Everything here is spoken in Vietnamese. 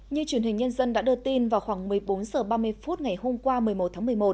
như truyền hình nhân dân đã đưa tin vào khoảng một mươi bốn h ba mươi phút ngày hôm qua một mươi một tháng một mươi một